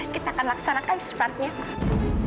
kita akan laksanakan sepertinya